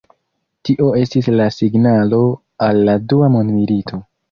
Tio estis la signalo al la dua mondmilito.